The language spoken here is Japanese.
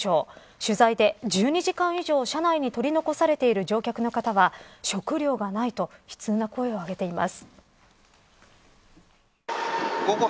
取材で１２時間以上、車内に取り残されている乗客の方は食料がないと悲痛な声を上げています。